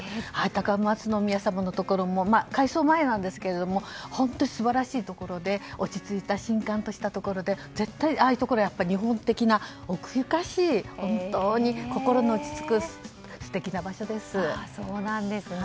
高松宮さまのところも改装前なんですけれども本当に素晴らしいところで落ち着いたところでああいうところって日本的な、奥ゆかしい本当に心の落ち着く素敵な場所です。